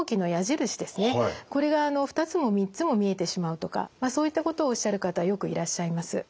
これが２つも３つも見えてしまうとかそういったことをおっしゃる方よくいらっしゃいます。